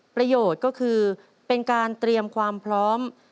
ประโยชน์ก็คือเป็นการเตรียมความพร้อม